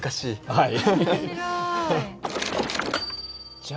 はい。